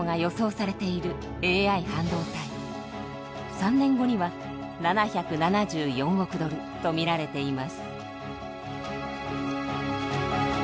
３年後には７７４億ドルと見られています。